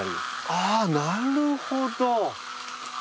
あなるほど。